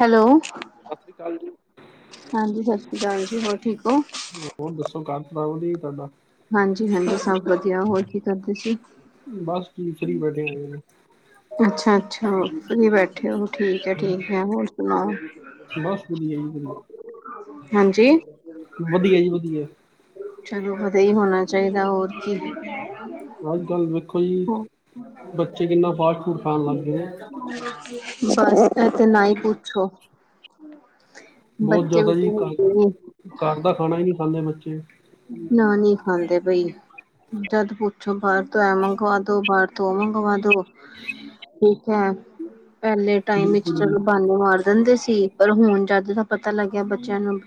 Hello. ਸਤਿ ਸ੍ਰੀ ਅਕਾਲ ਜੀ। ਹਾਂਜੀ 'ਸਤਿ ਸ੍ਰੀ ਅਕਾਲ'ਜੀ ਹੋਰ ਠੀਕ ਹੋ। ਹੁਣ ਦੱਸੋ ਹਾਂਜੀ ਹਾਂਜੀ ਸਭ ਵਧੀਆ ਹੋਰ ਕੀ [unintelligible] [inaudible] ਕਰਦੇ ਸੀ ਬਸ ਤੀਸਰੀ ਬੈਠਿਆ ਨੇ। ਅੱਛਾ, ਅੱਛਾ ਫਰੀ ਬੈਠੇ ਹੋ ਠੀਕ ਐ, ਠੀਕ ਐ ਹੋਰ ਸੁਣਾਓ। ਬਸ ਵਧੀਆ, ਵਧੀਆ। ਹਾਂਜੀ। ਵਧੀਆ ਜੀ ਵਧੀਆ। ਚਲੋ ਵਧੀਆ ਹੀ ਹੋਣਾ ਚਾਹੀਦੈ ਹੋਰ ਕੀ। ਅੱਜ ਕੱਲ ਵੇਖੋ ਜੀ ਬੱਚੇ ਕਿੰਨਾ ਫਾਸਟ ਫੂਡ ਖਾਣ ਲੱਗ ਗਏ ਆ। ਬਸ ਐ ਤੇੇ ਨਾ ਹੀ ਪੁੱਛੋ। ਬਹੁਤ ਬੱਚੇ ਜ਼ਿਆਦਾ ਜੀ ਘਰ, ਵੀ ਘਰ ਦਾ ਖਾਣਾ ਹੀ ਨਹੀਂੀ ਖਾਂਦੇ ਬੱਚੇ ਨਾ ਨਹੀਂ ਖਾਂਦੇ ਪਈ। ਜਦ ਪੁੱਛੋ ਬਾਹਰ ਤੋਂ ਐ ਮੰਗਵਾ ਦੋ ਬਾਹਰ ਤੋਂ ਉਹ ਮੰਗਵਾ ਦੋ। ਠੀਕ ਹੈ, ਪਹਿਲੇ ਟਾਈਮ ਵਿੱਚ ਬਿਲਕੁਲ ਜੀ। ਚਲੋ ਬਾਨੇ ਮਾਰ ਦਿੰਦੇ ਸੀ ਪਰ ਹੁਣ ਜਦ ਦਾ ਪਤਾ ਲੱਗਿਆ ਬੱਚਿਆਂ ਨੂੰ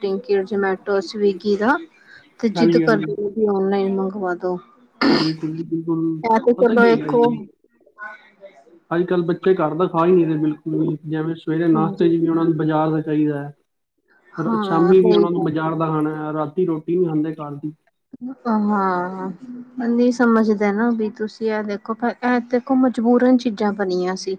ਜਮੈਟੋ, ਸਵੀਗੀ ਦਾ ਤੇ ਜਿੱਦ ਹਾਂਜੀ ਹਾਂਜੀ, ਕਰਦੇ ਕਿ ਓਨਲਾਈਨ ਮੰਗਵਾ ਦੋ। ਬਿਲਕੁਲ ਜੀ ਬਿਲਕੁਲ ਪਤਾ ਕੀ ਹੈ ਜੀ ਹਾਂ [inaudible] ਅੱਜ ਕੱਲ੍ਹ ਬੱਚੇ ਘਰ ਦਾ ਖਾ ਹੀ ਨਹੀਂ ਰਹੇ ਬਿਲਕੁਲ ਵੀ ਜਿਵੇਂ ਸਵੇਰੇ ਨਾਸ਼ਤੇ ਹਾਂਜੀ ਵਿਚ ਉਹਨਾਂ ਨੂੰ ਬਾਜ਼ਾਰ ਦਾ ਚਾਹੀਦਾ ਹੈ। ਹਾਂ ਸ਼ਾਮੀ ਵੀ ਸਹੀ ਉਹਨਾਂ ਨੂੰ ਗੱਲ ਬਾਜ਼ਾਰ ਦਾ ਖਾਣੈ ਰਾਤੀ ਰੋਟੀ ਨਹੀਂ ਖਾਂਦੇ ਘਰ ਦੀ। ਹਾਂ। ਨਹੀਂ ਸਮਝਦੇ ਨਾ ਵੀ ਤੁਸੀਂ ਇਹ ਦੇਖੋ ਇਹ ਦੇਖੋ ਮਜਬੂਰਨ ਚੀਜ਼ਾਂ ਬਣੀਆਂ ਸੀ।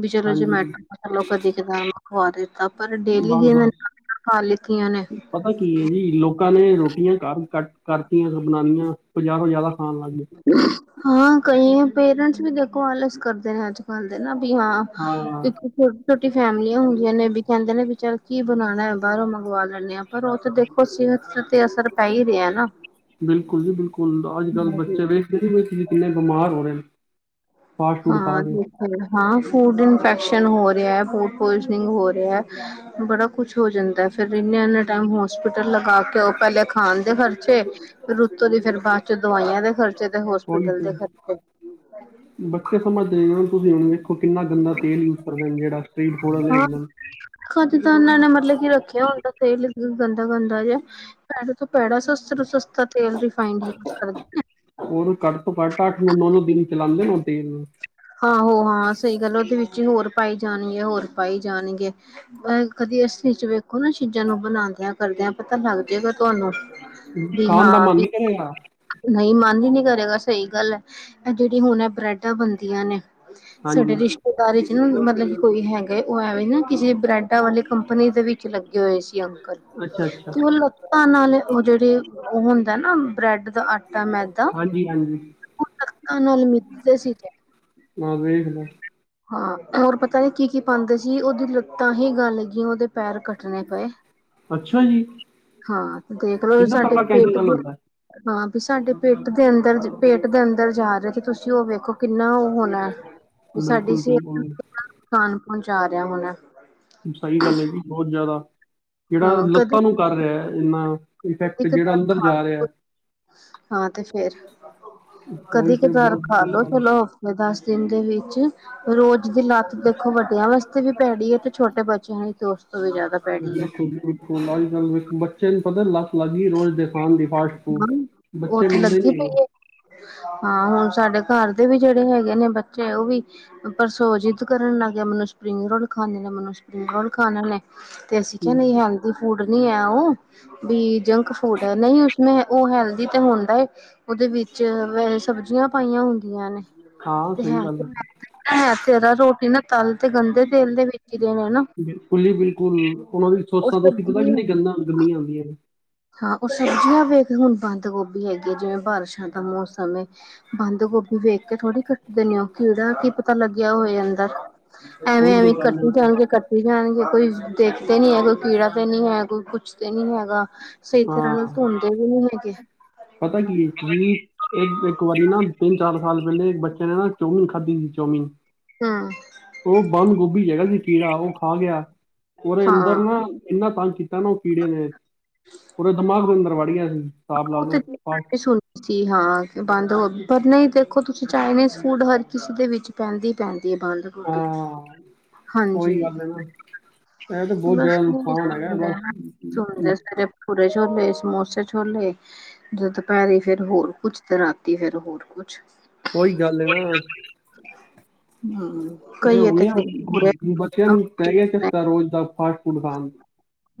ਵੀ ਚਲੋ ਹਾਂਜੀ। ਜੇਮੈਟੋ ਚਲੋ ਕਦੇ ਕਦਾਂ ਖਵਾ ਦਿੱਤਾ। ਪਰ ਡੇਲੀ ਬਸ ਜ ਮ ਬਸ [inaudible] ਖ ਲਿੱਤੀਆਂ ਨੇ। ਪਤਾ ਕੀ ਹੈ ਜੀ ਲੋਕਾਂ ਨੇ ਰੋਟੀਆਂ ਘ ਕੱਟ ਕਰਤੀਆਂ ਨੇ ਬਣਾਣੀਆਂ। ਬਜਾਰੋ ਜਿਆਦਾ ਖਾਣ ਲੱਗ ਗਏ। ਹਾਂ, ਕਈ ਪੇਰੈਂਟਸ ਵੀ ਦੇਖੋ ਆਲਸ ਕਰਦੇ ਨੇ ਅੱਜ ਕੱਲ ਦੇ ਨਾ ਵੀ ਹਾਂ। ਹਾਂ ਇੱਕ ਛੋਟੀ, ਛੋਟੀ ਫੈਮਿਲੀਆਂ ਹੁੰਦੀਆਂ ਨੇ ਕਹਿੰਦੇ ਨੇ ਵੀ ਚੱਲ ਕੀ ਬਣਾਣੈ ਬਾਹਰੋਂ ਮੰਗਵਾ ਲੈਂਨੇ ਆਂ ਪਰ ਉਹ ਤੇ ਦੇਖੋ ਸਿਹਤ ਤੇ ਅਸਰ ਪੈ ਹੀ ਰਿਹੈ ਨਾ। ਬਿਲਕੁਲ ਜੀ, ਬਿਲਕੁਲ ਅੱਜ ਕੱਲ੍ਹ ਹਾਂਜੀ ਬੱਚੇ ਵੇਖਦੇ ਨੀ ਪਏ ਕਿੰਨੇ ਬਿਮਾਰ ਹੋ ਰਹੇ ਨੇ। ਫਾਸਟ ਫੂਡ ਖਾ ਹਾਂ, ਕੇ ਬਿਲਕੁਲ ਹਾਂ ਫੂਡ ਇਨਫੈਕਸ਼ਨ ਹੋ ਰਿਹੈ ਫੂਡ ਪੋਇਜਨਿਗ ਹੋ ਰਿਹੈ। ਬੜਾ ਕੁਛ ਹੋ ਜਾਂਦੈ ਫਿਰ ਇੰਨੇ, ਇੰਨੇ ਟਾਈਮ ਹੋਸਪਿਟਲ ਲਗਾ ਕੇ ਆਔ ਪਹਿਲੇ ਖਾਣ ਦੇ ਖਰਚੇ ਰੁੱਤੋਂ ਦੀ ਫਿਰ ਬਾਅਦ ਚ ਦਵਾਈਆਂ ਦੇ ਖਰਚੇ ਤੇ ਉਹੀ ਹੋਸਪਿਟਲ ਤੇ ਦੇ ਖਰਚੇ। ਬੱਚੇ ਸਮਝਦੇ [unintelligible] ਤੁਸੀ ੳਹ ਕਿੰਨਾ ਗੰਦਾ ਤੇਲ ਯੂਜ ਕਰਦੇ ਜਿਹੜਾ ਸਟਰੀਟ ਫੂਡ ਆਲੇ ਹੁੰਦੇਨ। ਕਦੱ ਦਾ ਇੰਨਾ ਨੇ ਮਤਲਬ ਕੀ ਰੱਖਿਆ ਹੋੲਗਾ ਤੇਲ। ਗੰਦਾ, ਗੰਦਾ ਜਿਆਂਂ ਭੈੜੇ ਤੋਂ ਭੈੜਾ ਸਸਤੇ ਤੋ ਸਸਤਾ ਤੇਲ ਰਿਫਾਈਂਡ ਯੂਜ ਕਰਦੇ ਨੇ। ਉਹਨੂੰ ਘੱਟ ਤੋਂ ਘੱਟ ਅੱਠ ਨੌ, ਨੌ ਦਿਨ ਚਲਾਂਦੇ ਨੇ ੳਹ ਤੇਲ ਨੂੰ। ਆਹੋ ਹਾਂ ਸਹੀ ਗੱਲ ਏ ਉਹਦੇ ਵਿੱਚ ਈ ਹੋਰ ਪਾਈ ਜਾਣਗੇ ਹੋਰ ਪਾਈ ਜਾਣਗੇਂ। ਕਦੀ ਅੱਸਲੀ ਚ ਵੇਖੋ ਨਾ ਚੀਜ਼ਾਂ ਨੂੰ ਬਣਾਦਿਆਂ ਕਰਦਿਆਂ ਪਤਾ ਲੱਗ ਜੇਗਾ ਤੁਹਾਨੂੰ। ਵੀ ਖਾਣ ਹਾਂ ਦਾ ਮਨ ਵੀ ਨਹੀਂ ਕਰੇਗਾ। ਨਹੀਂ ਮੰਨ ਹੀ ਨੀ ਕਰੇਗਾ ਸਹੀ ਗੱਲ ਐ ਇਹ ਜਿਹੜੀ ਹੁਣ ਬ੍ਰੈਡਾਂ ਬਣਦੀਆਂ ਨੇ ਛੋਟੇ ਹਾਂਜੀ ਰਿਸ਼ ਦਾਰੇ ਚ ਨਾ ਮਤਲਬ ਕਿ ਕੋਈ ਹੈਗਾ ਉਹ ਐਵੇ ਨਾ ਕਿਸੇ ਬ੍ਰੈਡਾਂ ਵਾਲੇ ਕੰਪਨੀ ਦੇ ਵਿੱਚ ਲੱਗੇ ਹੋਏ ਸੀ ਅੰਕਲ ਅੱਛਾ ਅੱਛਾ ਤੇ ਉਹ ਲੱਤਾਂ ਨਾਲ ਉਹ ਜਿਹੜੇ ਉਹ ਹੁੰਦਾ ਨਾ ਬ੍ਰੈਡ ਦਾ ਆਟਾ ਮੈ ਹਾਂਜੀ-ਹਾਂਜੀ ਮਿੱਧਦੇ ਸੀ ਤੇ ਬਸ ਵਖਲਾ ਹਾਂ ਹੋਰ ਪਤਾ ਨੀ ਕੀ-ਕੀ ਪਾਦੇ ਸੀ ਉਹਦੀ ਲੱਤਾਂ ਹੀ ਗਲ ਗੀਆਂ ਉਹਦੇ ਪੈਰ ਕੱਟਣੇ ਪਏ ਅੱਛਾ ਜੀ ਹਾਂ ਤੇ ਦੇਖਲੋ ਇੰਨਾ ਸਾਡੇ ਤਕੜਾ ਪੇਟ ਕੈਮੀਕਲ ਹੁੰਦਾ ਹੈ। ਹਾਂ ਵੀ ਸਾਡੇ ਪੇਟ ਦੇ ਅੰਦਰ ਪੇਟ ਦੇ ਅੰਦਰ ਜਾ ਰਹੇ ਤੇ ਤੁਸੀਂ ਉਹ ਵੇਖੋ ਕਿੰਨਾ ਉਹ ਹੋਣਾ ਵੀ ਸਾਡੀ ਬਿਲਕੁਲ ਸਿਹਤ ਨੂੰ ਬਿਲਕੁਲ ਕਿੰਨਾ ਨੁਕਸਾਨ ਪਹੁੰਚਾ ਰਿਹਾ ਹੋਣਾ ਸਹੀ ਗੱਲ ਹੈ ਜੀ ਬਹੁਤ ਜ਼ਿਆਦਾ ਜਿਹੜਾ ਹਾਂ ਕਦੇ ਲੱਤਾਂ ਨੂੰ ਕਰ ਰਿਹਾ ਇਨਾ ਇਫੈਕਟ ਜਿਹੜਾ ਅੰਦਰ ਜਾ ਰਿਹਾ ਹਾਂ ਤੇ ਫੇਰ ਉਹੀ ਤੇ ਕਦੀ-ਕਦਾਰ ਬਹੁਤ ਖਾ ਬੁਰਾ ਲੋੋ ਹਾਲ ਚੱਲੋ ਹੈ ਮ ਦਸ ਦਿਨ ਦੇ ਵਿੱਚ ਰੋਜ਼ ਦੀ ਲੱਤ ਦੇਖੋ ਵੱਡਿਆਂ ਵਾਸਤੇ ਵੀ ਪੈੜੀ ਏ ਤੇ ਛੋਟੇ ਬੱਚਿਆਂ ਤੇ ਉਸ ਤੋਂ ਵੀ ਜ਼ਿਆਦਾ ਭੈੜੀ ਹੈ। ਬਿਲਕੁਂਂਲ-ਬਿਲਕੁਂਲ ਅੱਜ-ਕੱਲ੍ਹ ਦੇ ਬੱਚੇ ਨੂੰ ਪਤਾੱ ਲੱਤ ਲੱਗ ਗਈ ਰੋਜ਼ ਦੇ ਖਾਣ ਦੀ ਫਾਸਟ ਫੂਡ ਹਾਂ, ਉਹ ਬੱਚੇ ਤੇ ਮੰਨਦੇ ਲੱਗੀ ਨੀ ਹੈਗੇ। ਪਈ ਏ ਹਾਂ ਹੁਣ ਸਾਡੇ ਘਰ ਦੇ ਵੀ ਜਿਹੜੇ ਹੈਗੇ ਨੇ ਬ ਚੇ ਉਹ ਵੀ ਪਰਸੋ ਜਿੱਦ ਕਰਨ ਲੱਗ ਗਏ ਮੈਨੂੰ ਸਪਰਿੰਗ ਰੋਲ ਖਾਂਨੇ ਨੇ ਮੈਨੂੰ ਸਪਰਿੰਗ ਰੋਲ ਖਾਣੇ ਨੇ ਤੇ ਅਸੀਂ ਕਿਹਾ ਹਮ, ਨਹੀਂ ਹੈਲਦੀ ਫੂਡ ਨੀ ਹੈ ਉਹ ਵੀ ਜੰਕ ਫੂਡ ਹੈ ਨਹੀਂ ਉਸ਼ਮੇ ਉਹ ਹੈਲਦੀ ਤੇ ਹੁੰਦਾ ਏ ਉਹਦੇ ਵਿੱਚ ਸਬਜ਼ੀਆਂ ਪਾਈਆਂ ਹੁੰਦੀਆਂ ਨੇ ਹਾਂ ਤੇ ਹੈ ਸਹੀ ਗੱਲ ਤੇ ਹੈ ਤੇ ਰੋਟੀ ਨਾ ਤਲ ਤੇ ਗੰਦੇ ਤੇਲ ਦੇ ਵਿੱਚ ਰੇ ਨਾ ਬਿਲਕੁਲ ਹੀ ਬਿਲਕੁਲ ਉਹ ਸਬਜ਼ ਗੱਲੀਆਂ ਹੁੰਦੀਆਂ ਨੇ ਹਾਂ ਉਹ ਸਬਜ਼ੀਆਂ ਵੇਖ ਹੁਣ ਬੰਦ ਗੋਭੀ ਹੈਗੀ ਹੈ ਜਿਵੇਂ ਬਾਰਿਸ਼ਾਂ ਦਾ ਮੌਸਮ ਏ ਬੰਦ ਗੋਭੀ ਵੇਖ ਕੇ ਥੋੜੀ ਕੱਟਦੇ ਨੇ ਉਹ ਹੋ ਕੀੜਾ ਕੀ ਪਤਾ ਲੱਗਿਆ ਹੋਏ ਅੰਦਰ ਉਹੀ ਤੇ ਐਵੇਂ-ਐਵੇਂ ਗੱਲ ਹੈ ਕੱਟੀ ਨਾ ਜਾਣਗੇ ਕੱਟੀ ਜਾਣਗੇ ਕੋਈ ਦੇਖਦੇ ਨੀ ਹੈ ਕੋਈ ਕੀੜਾ ਤੇ ਨੀ ਹੈ ਕੋਈ ਕੁਛ ਤੇ ਨੀ ਹੈਗਾ ਸਹੀ ਤਰ੍ਹਾਂ ਨਾਲ ਹਾਂ ਧੁੰਦ ਧੋੰਧੇ ਵੀ ਨਹੀਂ ਹੈਗੇ ਪਤਾ ਕੀ ਏ ਤੁਸੀਂ ਇੱਕ-ਇੱਕ ਵਾਰੀ ਨਾ ਤਿੰਨ ਚਾਰ ਸਾਲ ਪਹਿਲੇ ਇੱਕ ਬੱਚੇ ਨੇ ਨਾ ਚੌਮੀਨ ਖਾਧੀ ਸੀ ਚੌਮੀਨ ਹਾਂ ਉਹ ਬੰਦ ਗੋਭੀ ਚ ਹੈਗਾ ਸੀ ਕੀੜਾ ਉਹ ਖਾ ਗਿਆ ਉਹਦੇ ਅੰਦਰ ਹਾਂ ਨਾ ਇੰਨਾ ਤੰਗ ਕੀਤਾ ਨਾ ਉਹ ਕੀੜੇ ਨੇ ਪੂਰੇ ਦਿਮਾਗ ਦੇ ਅੰਦਰ ਵੜੀ ਗਿਆ ਸੀ ਸਾਬ ਲਾਲੋ ਸੁਣ ਕਿ ਹਾਂ ਬੰਦ ਹੋ ਪਰ ਨਹੀਂ ਦੇਖੋ ਤੁਸੀਂ ਚਾਈਨੀਜ਼ ਫੂਡ ਹਰ ਕਿਸੇ ਦੇ ਵਿੱਚ ਪੈਂਦੀ ਹੀ ਪੈਂਦੀ ਏ ਬੰਦ ਗੌਭੀ ਹਾਂ ਉਹੀ ਗੱਲ ਏ ਨਾ ਇਹ ਤਾਂ ਬਹੁਤ ਬਸ ਜ਼ਿਆਦਾ ਨੁਕਸਾਨ ਹੈਗਾ ਬਸ ਬਟੂਰੇ ਛੋਲੇ ਸਮੋਸੇ ਛੋਲੇ ਜ ਦੁਪਹਿਰੀ ਫਿਰ ਹੋਰ ਕੁੱਛ ਤੇ ਰਾਤੀ ਫੇਰ ਹੋਰ ਕੁੱਛ ਉਹੀ ਗੱਲ ਏ ਨਾ ਹਾਂ ਕਈ ਤੇ ਫੇਰ ਗੁਰ ਤੇਨ ਪੈ ਗਿਆ ਚਸਕਾ ਰੋਜ਼ ਦਾ ਫਾਸਟ ਫੂਡ ਖਾਣ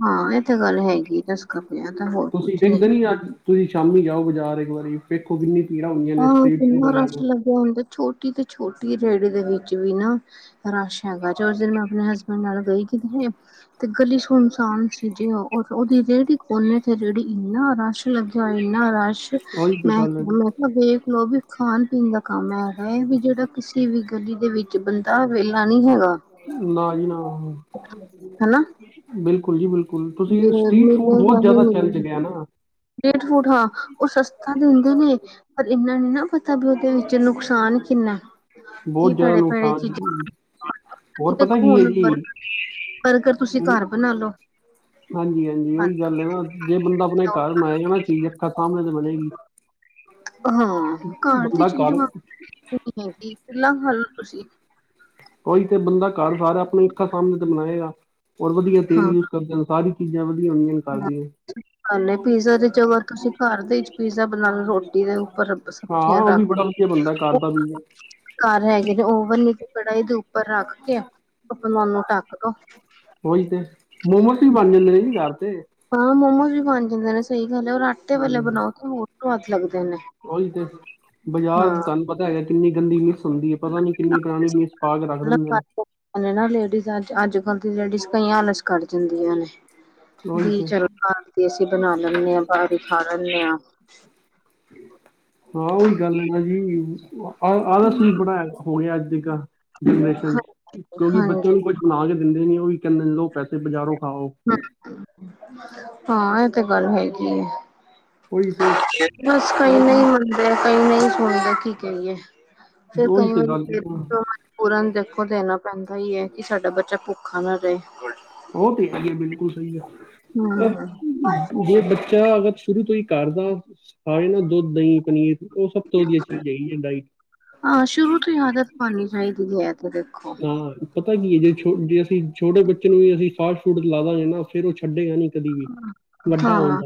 ਹਾਂ ਇਹ ਤੇ ਗੱਲ ਹੈਗੀ ਏ ਚਸਕਾ ਪਿਆ ਤਾਂ ਹੋਰ ਤੁਸੀਂ ਕੁੱਛ ਨੀ ਦੇਖਦੇ ਅੱਜ ਤੁਸੀਂ ਸ਼ਾਮੀ ਜਾਓ ਬਾਜ਼ਾਰ ਇੱਕ ਵਾਰੀ ਵੇਖੋ ਕਿੰਨੀ ਪੀੜਾਂ ਹੁੰਦੀਆਂ ਨੇ ਸਟਰੀਟ ਫੂਡ ਵਾਲਿਆਂ ਤੇ ਹੁੰਣ ਤੇ ਛੋਟੀ ਤੇ ਛੋਟੀ ਰੇੜੀ ਦੇ ਵਿੱਚ ਵੀ ਨਾ ਰਸ਼ ਹੈਗਾ ਜਦੋਂ ਉਸ ਦਿਨ ਮੈਂ ਆਪਣੇ ਹਸਬੈਂਡ ਨਾਲ ਗਈ ਕਿੱਥੇ ਤੇ ਗਲੀ ਸੁਨਸਾਨ ਸੀ ਜੇ ਉਹਦੀ ਰੇਹੜੀ ਕੋਨੇ ਤੇ ਰੇਹੜੀ ਇੰਨਾ ਰਸ਼। ਲੱਗਿਆ ਹੋਆ ਇੰਨਾ ਰਸ਼ ਉਹੀ ਤੇ ਮੈਂ ਗੱਲ ਹੈ ਅਹ ਦੇਖ ਲੋ ਵੀ ਖਾਣ ਪੀਣ ਦਾ ਕੰਮ ਹੈਗਾ ਏ ਵੀ ਜੇੜਾ ਕਿਸੇ ਵੀ ਗਲੀ ਦੇ ਵਿੱ ਚ ਬੰਦਾ ਵੇਲਾ ਨੀ ਹੈਗਾ। ਕਿ ਨਾ ਜੀ ਨਾ ਹਨਾ ਬਿਲਕੁਲ ਜੀ ਬਿਲ ਕੁਲ ਤੁਸੀਂ ਏ ਵੀ ਸਟੀਟ ਫੂਡ ਬੌਤ ਜੈਦਾ ਚੱਲ ਚ ਗਿਆ ਨਾ। ਡੇਡ ਫੂਟ ਹਾਂ ਓਹ ਸਸਤਾ ਦੇੰਦੇ ਨੇ। ਪਰ ਇਨਾ ਨੀ ਨਾ ਪਤਾ ਭਇ ਔਦੇ ਵਿੱਚ ਨੁਕਸਾਨ ਕਿੰਨਾ ਕੀ ਬਹੁਤ ਜ਼ਿਆਦਾ ਪੈੜੇ ਪੈੜੇ ਨੁਕਸਾਨ ਹੈ ਚੀਜ਼ਾ। ਜੀ ਜੀ ਹੋਰ ਪਤਾ ਦੇਖੋ ਕੀ ਹੈ ਹੁਨ ਬਰ ਜੀ ਬਰਗਰ ਤੁਸੀਂ ਹੁਣ ਘੱਰ ਬਣਾ ਲੋ। ਹਾਂਜੀ ਹਾਂਜੀ ਓਹੀ ਗੱਲ ਏ ਨਾ ਜੇ ਬੰਦਾ ਅਪਣੇ ਘਰ ਬਣਾਏਗਾ ਨਾ ਚੀਜ਼ ਅੱਖਾਂ ਸਾਹਮਣੇ ਤੇ ਬਣੇਗੀ। ਹਾਂ ਘੱਰ ਦੀ ਬੰਦਾ ਚੀਜ਼ ਘਰ ਵਾਂਗ [inaudible] ਹੈਗੀ‌ ਕਿੰਨਾ ਖਾਲੋ ਤੁਸੀਂ। ਓਹੀ ਤੇ ਬੰਦਾ ਘਰ ਸਾਰੇ ਆਪਣੇ ਅੱਖਾਂ ਸਾਹਮਣੇ ਤੇ ਬਣਾਏਗਾ ਔਰ ਵਧੀਆ ਤੇਲ ਯੂਜ। ਤਦ ਸਾਰੀ ਚੀਜ਼ਾਂ ਵਧੀਆ ਹੋੰਦੀਆਂ ਨੇ। ਘਰ ਹਾਂ ਦੀਆਂ ਹਾਲੇ ਪੀਜ਼ਾ ਦੇ ਚ ਅਗਰ ਤੁਸੀਂ ਘੱਰ ਦੇ ਇਚ ਪੀਜ਼ਾ ਬਣਾ ਲੋ ਰੋਟੀ ਦੇ ਉੱਪਰ। ਹਾਂ ਸਬਜ਼ੀਆਂ ਓਹ ਵੀ ਰੱਖ ਬੜਾ ਵਧੀਆ ਬੰਣਦੈ ਘੱਰ ਦਾ ਵੀ ਆ। ਘਰ ਹੈਗੇ ਨੇ ਓਵਨ ਨੀ ਤੇ ਕੜਾਈ ਦੇ ਉੱਪਰ ਰੱਖ ਕੇ ਅਪਣਾ ਔਨੂੰ ਟਾੱਕ ਦੋ। ਓਹੀ ਤੇ ਮੋਮੋਸ ਵੀ ਬਣ ਜਾਂਦੇ ਨੇ ਜੀ ਘਾਰ ਤੇ। ਹਾਂ ਮੋਮੋਸ ਵੀ ਬਣ ਜਾਂਦੇ ਨੇ ਸਹੀ ਗੱਲ ਏ ਔਰ ਆਟੇ ਵਾਲੇ ਬਣਾਓ ਤੇ ਹੋਰ ਸੁਆਦ ਲੱਗਦੇ ਨੇ। ਓਹੀ ਤੇ ਬਾਜ਼ਾਰ ਹਾਂ ਤੁਹਾਨੂੰ ਪਤਾ ਹੈਗਾ ਕਿੰਨੀ ਗੰਦੀ ਵੀ ਹੁੰਦੀ ਹੈ ਪਤਾ ਨੀ ਕਿੰਨੀੇ ਪੁਰਾਣੀ ਚੀਜ਼ ਪਾ ਕੇ ਰੱਖ ਦੇਂਦੇ ਨੇ। ਹਾਲੇ ਨਾ ਲੇਡੀਜ਼ ਅੱਜ ਅੱਜ ਕੱਲ ਦੀ ਲੇਡੀਜ਼ ਕਈਆਂ ਆਲਸ ਕਰੱ ਜਾਂਦੀਆਂ ਨੇ। ਉਹੀ ਬੀ ਤੇ ਚਲੋ ਘਰ ਦੀ ਅਸੀਂ ਬਣਾ ਲੈਂਣੇ ਆਂ ਬਾਹਰ ਹੀ ਖਾ ਲੈਂਣੇ ਆਂ। ਹਾਂ ਓਹੀ ਗੱਲ ਹੈ ਨਾ ਜੀ ਆ ਆਲਸ ਵੀ ਬੜਾ ਹੋ ਗਿਆ ਅੱਜ ਦੇ ਗਾ। ਜਨਰੇਸ਼ਨ ਚ ਕਿਉਂਕਿ ਬੱਚੇਆ ਹਾਂਜੀ ਨੂੰ ਕੁੱਛ ਬਣਾ ਕੇ ਦਿੰਦੇ ਨੀ ਔਹੀ ਕੈੰਦੇ ਨੇ ਲੋ ਪੈਸੇ ਬਜਾਰੋ ਖਾਓ। ਹਾਂ ਐ ਤੇ ਗੱਲ ਹੈਗੀ ਏ। ਔਈ ਤੇ। ਬਸ ਕਈ ਨਹੀਂ ਮੰਨਦੇ ਕਈ ਨਹੀਂ ਸੁਣਦੇ ਕੀ ਕਹੀਏ। ਫਿਰ ਉਹੀ ਕਈ ਤੇ ਵਾਰੀ ਗੱਲ ਫਰ। ਆ। [unintelligible] ਪੂਰਨ ਦੇਖੋ ਦੇਣਾ ਪੈਂਦਾ ਈ ਏ ਕਿ ਸਾਡਾ ਬੱਚਾ ਭੁੱਖਾ ਨਾ ਰਹੇ। ਓਹ ਤੇ ਹੈ ਈ ਏ ਬਿਲਕੁਲ ਸਹੀ ਆ। ਹਮ ਜੇ ਬੱਚ ਚ ਅਗਰ ਸ਼ੁਰੂ ਤੋਂ ਹੀ ਘੱਰਦਾ ਆ ਏ ਨਾ ਦੋੱਧ ਦਹੀਂ ਪਨੀਰ ਓਹ ਸਭ ਤੋਂ ਵਧੀਆ ਚੀਜ਼ ਹੈਗੀ ਜੇ ਡਾਇਟ। ਆਂ ਸ਼ੁਰੂ ਤੋਂ ਹੀ ਆਦਤ ਪਾਨੀ ਚਾਹੀਦੀ ਏ ਐ ਤੇ ਦੇਖੋ। ਹਾ ਪਤਾ ਕੀ ਏ ਜੇ ਅਸੀਂ ਛੋਟੇ ਬੱਚੇ ਨੂੰ ਵੀ ਅਸੀਂ ਫਾਸਟ-ਫੂਡ ਖਿਲਾਵਾਗੇ ਨਾ ਫੇਰ ਓਹ ਛੱਡੇਗਾ ਨੀ। ਅਹ ਹਾਂ।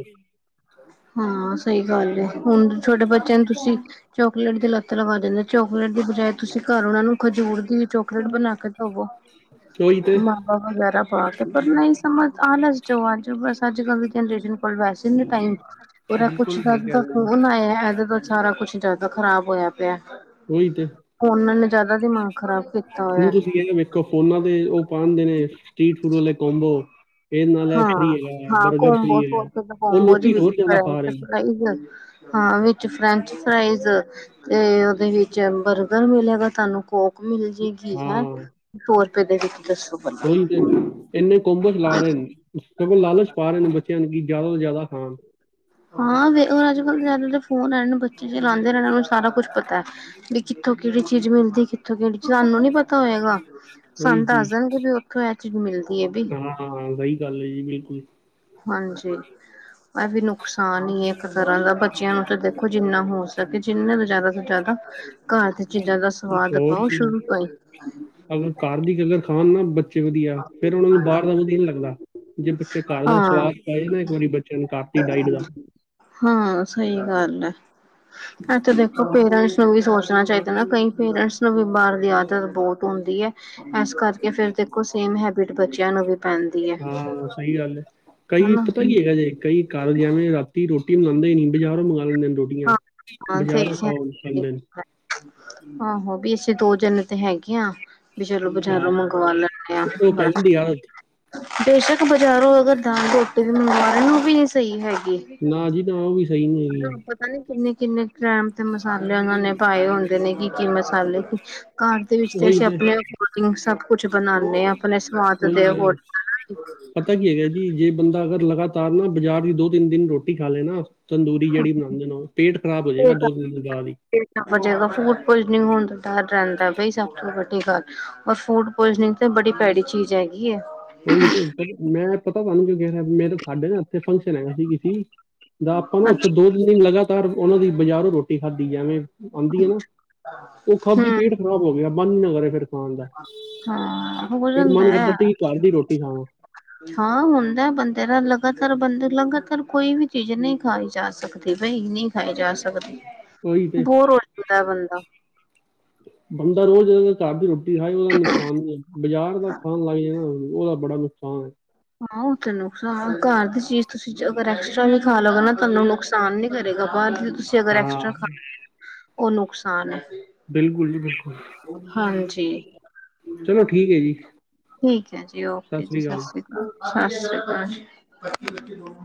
ਹਾਂ ਸਹੀ ਗੱਲ ਏ। ਹੁਣ ਛੋਟੇ ਬੱਚਿਆਂ ਨੂੰ ਤੁਸੀਂ ਚੋਕਲੇਟ ਦੀ ਲੱਤ ਲਵਾ ਦੇੰਦੇ ਚੋਕਲੇਟ ਦੀ ਬਜਾਏ ਤੁਸੀਂ ਘਰ ਉਨਾ ਨੂੰ ਖਜੂਰ ਦੀ ਚੋਕਲੇਟ ਬਣਾ ਕੇ ਦਵੋ ਉਹੀ ਤੇ ਮਾਬਾ ਵਗੈਰਾ ਪਾ ਕੇ। ਪਰ ਨਈ ਬਸ ਆਲਸ ਜੋ ਅੱਜ ਬਸ ਅੱਜ ਕੱਲ ਦੀ ਜਨਰੇਸ਼ਨ ਕੋਲ ਵੈਸੇ ਨੀ ਟਾਈਮ। ਓਦਾ ਕੁਛ ਬਿਲਕੁਲ ਸਹੀ ਦਦ ਕਹਿ ਦਾ ਰਹੇ ਹੋ ਜੀ ਫੋਨ ਆਯੈ ਐਦੇ ਤੋ ਸਾਰਾ ਕੁਛ ਜੈਦਾ ਖ਼ਰਾਬ ਹੋਯੈ ਪਿਐ। ਉਹੀ ਤੇ ਫੋਨਾ ਨੇ ਜਾਦਾ ਦਿਮਾਗ ਖਰਾਬ। ਹੁਣ ਤੁਸੀਂ ਐਹੀ ਵੇਖੋ ਫੋਨਾ ਤੇ ਓਹ ਪਾਂਦੇ ਨੇ ਸਟ੍ਰੀਟ ਫੂਡ ਵਾਲੇ ਕੋਮਬੋ। ਹਾਂ ਹਾਂ ਕੋਮਬੋ ਸੋ ਹੈਗਾ ਰੁਪੇ ਦਾ ਉਹ ਕੋਮਬੋ ਲੋਕੀ ਵਿੱਚ ਹੋਰ ਜ਼ਿਆਦਾ ਖਾ ਰਹੇ ਨੇ ਫ੍ਰੈੰਚ-ਫਰਾਈਜ। ਹਾਂ ਵਿੱਚ ਫਰੈਂਚ ਫਰਾਈਜ਼ ਤੇ ਓਦੇ ਵਿੱਚ ਬਰਗਰ ਮਿਲੇਗਾ ਤੁਆਨੂੰ। ਕੋਕ ਵੀ ਮਿਲ ਜੇਗੀ ਹੈਂ ਹਾਂ ਸੋ ਰੁਪਏ ਦੇ ਵਿੱਚ ਦੱਸੋ ਬੱਲਾ। ਏਨੇ ਕੋਮਬੋ ਚਲਾ ਰੇਣ ਸਗੋਂ ਲਾਲਚ ਪਾ ਰੇਣ ਬੱਚਿਆਂ ਨੂੰ ਕਿ ਜਾਦਾ ਤੋਂ ਜਾਦਾ ਖਾਣ। ਹਾਂ ਵੇਖ ਲੋ ਅੱਜ ਕੱਲ ਜਦ ਤੇ ਫੋਨ ਐਨ ਬੱਚੇ ਚਲਾੰਦੇਣ ਐਨਾ ਨੂੰ ਸਾਰਾ ਕੁੱਛ ਪਤੈ। ਬੀ ਕਿੱਥੋਂ ਕੇੜੀ ਚੀਜ਼ ਮਿਲਦੀ ਕਿੱਥੋਂ ਕੇੜੀ, ਸਾਨੂੰ ਨੀ ਪਤਾ ਹੋਏਗਾ। ਉਹੀ ਸਾਨ ਜੀ ਦੱਸ ਦੇਣਗੇ ਬੀ ਔਥੋਂ ਐ ਚੀਜ਼ ਮਿਲਦੀ ਏ ਬੀ। ਹਾਂ, ਸਹੀ ਗੱਲ ਏ ਜੀ ਬਿਲਕੁਲ। ਹਾਂਜੀ ਮ ਵੀ ਨੁਕਸਾਨ ਹੀ ਹੈ ਇੱਕ ਤਰ੍ਹਾਂ ਦਾ ਬੱਚਿਆਂ ਨੂੰ ਤਾਂ ਦੇਖੋ ਜਿੰਨਾ ਹੋ ਸਕੇ ਜਿੰਨਾਂ ਦਾ ਜ਼ਿਆਦਾ ਤੋਂ ਜ਼ਿਆਦਾ ਘਰ ਦੀ ਚੀਜ਼ਾਂ ਦਾ ਸਵਾਦ ਹੋਰ ਪਾਓ ਜੀ ਸ਼ੁਰੂ ਤੋਂ ਹੀ ਅਗਰ ਘਰ ਦੀ ਕਗਰ ਖਣ ਨਾ ਬੱਚੇ ਵਧੀਆ ਫੇਿਰ ਉਹਨਾਂ ਨੂੰ ਬਾਹਰ ਦਾ ਵਧੀਆ ਨਹੀਂ ਲੱਗਦਾ ਜੇ ਬੱਚੇ ਘਰ ਦਾ ਹਾਂ ਸਵਾਦ ਪਏ ਨਾ ਇੱਕ ਵਾਰੀ ਬੱਚਿਆਂ ਨੂੰ ਘਰ ਦੀ ਡਾਇਟ ਦਾ ਹਾਂ ਸਹੀ ਗੱਲ ਹੈ ਏਤੇ ਦੇਖੋ ਪੇਰੈਂਟਸ ਨੂੰ ਵੀ ਸੋਚਣਾ ਚਾਹੀਦਾ ਨਾ ਕਈ ਕਈ ਪੇਰੈਂਟਸ ਨੂੰ ਬਾਰ ਦੀ ਆਦਤ ਬਹੁਤ ਹਉਦੀ ਹੈ ਇਸ ਕਰਕੇ ਫੇਰ ਦੇਖੋ ਸੇਮ ਹੈਬਿਟ ਬੱਚਿਆਂ ਨੂੰ ਵੀ ਪੈਂਦੀ ਹੈ ਹਾਂ ਸਹੀ ਗੱਲ ਹੈ ਕਈ ਹਨਾ। ਪਤਾ ਕੀ ਹੈ ਕਈ ਘਰ ਜਾਵੇਂ ਰਾਤੀ ਰੋਟੀ ਬੰਨਦੀ ਨੀ ਬਜ਼ਾਰੋ ਮੰਗਾਵਾ ਲੈਂਦੇ ਨੇ ਰੋਟੀ- ਹਾਂ ਹਾਂ ਬਜ਼ਾਰੋਂ ਦੇਖਿਆ ਖਾਓ ਖਦੇ ਨੇ ਆਹੋ ਵੀ ਅਸੀਂ ਦੋ ਜੇਨ ਤੇ ਹੈਗੇ ਹ ਵੀ ਚਲੋ ਹਾਂ, ਬਜ਼ਾਰੋਂ ਮੰਗਵਾ ਲੈਦੇ ਆ ਫੇਰ ਬਸ [unintelligible] ਬੇਸ਼ੱਕ ਬਜ਼ਾਰੋਂ ਅਗਰ ਦਾਲ ਰੋਟੀ ਵੀ ਮੰਗਵਾਾਰੇ ਉਹ ਵੀ ਨਹੀਂ ਸਹੀ ਹੈਗੀ ਨਾ ਜੀ ਨਾ ਉਹ ਵੀ ਸਹੀ ਨਹੀਂ ਹੈਗੀ ਹਨ ਕਿੰਨੇ- ਕਿੰਨੇ ਟ੍ਰਮ ਤੇ ਮਸਾਲੇ ਉਹਨਾਂ ਨੇ ਪਾਏ ਹੁੰਦੇ ਨੇ ਕੀ- ਕੀ ਮਸਾਲੇ ਕੁਛ ਘਾੱਰ ਦੇ ਵਿੱਚ ਤੇ ਅਸੀਂ ਅਪਣੇਂ ਅਕੋਰਡਿਗ ਸਭ ਕੁਛ ਬਣਾਣੇ ਆਂ, ਅਪਣੇ ਸਵਾਦ ਦੇ ਅਕੋਰ [unintelligible] ਪਤੈ ਕੀ ਹੈਗੈ ਜੀ ਜੇ ਬੰਦਾ ਅਗਰ ਲਗਾਤਾਰ ਨਾ ਬਾਜ਼ਾਰ ਦੀ ਦੋ-ਤਿੰਨ ਦਿਨ ਰੋਟੀ ਖਾ ਲੇ ਨਾ ਤੰਦੂਰੀ ਜੇੜੀ ਬਣਾੰਦੇਣ ਓਹ ਪੇਟ ਖਰਾਬ ਹੋ ਜੇਗਾ ਦੋ ਦਿਨ੍ਹਾ ਬਾਦ ਹੀ। ਰ ਜਾਏਗਾ ਫੂਡ ਪੁਇਨਿੰਗ ਹੋਣ ਦਾ ਡਰ ਰਹਿੰਦਾ ਬਾਈ ਸਭ ਤੋਂ ਵੱਡੀ ਗੱਲ ਔਰ ਫੂਡ ਪੋਇਜਨਿੰਗ ਤਾਂ ਬੜੀ ਭੈੜੀ ਚੀਜ਼ ਹੈਗੀ ਉਹੀ ਤੇ ਮੈਂ ਪਤਾ ਸਹਾਨੂੰ ਕਿਉਂ ਮੇਰਾ ਸਾਡੇ ਨਾ ਇੱਥੇ ਫੰਕਸ਼ਨ ਹੈਗਾ ਸੀ ਸੀ ਦਾ ਆਪਾਂ ਨਾ ਹੂੰ ਉੱਥੇ ਦੋ ਦਿਨ ਲਗਾਤਾਰ ਉਹਨਾਂ ਦੀ ਬਾਜ਼ਾਰੋਂ ਰੋਟੀ ਖਾਧੀ ਹੈ ਐਵੇਂ ਆਉਂਦੀ ਹੈ ਨਾ ਉਹ ਖਾਦੀ ਪੇਟ ਖਰਾਬ ਹੋ ਗਿਆ ਬੰਨ ਨਾ ਕਰੇ ਫਿਰ ਖਾਣ ਦਾ ਹਾਂ ਹੋ ਫਿਰ ਜਾਂਦਾ ਮਨ ਹੈ ਕਰਦਾ ਤੁ ਘਰ ਦੀ ਰੋਟੀ ਖਾਵਾ ਹਾਂ ਹੁੰਦਾ ਬੰਦੇ ਦਾ ਲਗਾਤਾਰ ਬੰਦੇ ਲਗਾਤਾਰ ਕੋਈ ਵੀ ਚੀਜ਼ ਨਹੀਂ ਖਾਈ ਜਾ ਸਕਦੀ ਬਈ ਨਹੀਂ ਖਾਈ ਜਾ ਸਕਦੀ ਉਹੀ ਤੇ ਬੋਰ ਹੋ ਜਾਂਦਾ ਬੰਦਾ ਬੰਦਾ ਰੋਜ਼- ਰੋਜ਼ ਘਰ ਦੀ ਰੋਟੀ ਹਾ ਉਹਦਾ ਨੁਕਸਾਨ ਨ ਬਾਜ਼ਾਰ ਦਾ ਖਾਣ ਲਗਗੇਏ ਨਾ ਉਹਦਾ ਬੜਾ ਨੁਕਸਾਨ ਹੈ ਹਾਂ ਉਹ ਤੇ ਨੁਕਸਾਨ ਘਰ ਦੀ ਚੀਜ਼ ਤੁਸੀਂ ਅਗਰ ਐਕਸਟਰਾ ਵੀ ਖਾ ਲਗੇ ਨਾ ਤੁਹਾਨੂੰ ਨੁਕਸਾਨ ਨੀ ਕਰੇਗਾ ਬਾਹਰ ਤੁਸੀਂ ਅਗਰ ਐਕਸਟਰਾ ਹਾਂ ਖਾ ਉਹ ਨੁਕਸਾਨ ਹੈ ਬਿਲਕੁਲ ਜੀ ਬਿਲਕੁਲ ਹਾਂਜੀ ਚਲੋ ਠੀਕ ਹੈ ਜੀ ਠੀਕ ਹੈ ਜੀ ਓਕੇ ਜੀ ਸ੍ਰੀ ਸਤਿ ਅਕਾਲ ਸ਼੍ਰੀ ਅਕਾਲ ਸਤ ਸ਼੍ਰੀ ਅਕਾਲ